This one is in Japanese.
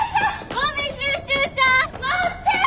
ゴミ収集車待って！